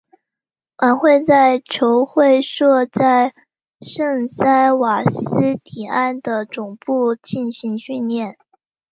晚上在球会设在圣塞瓦斯蒂安的总部进行训练。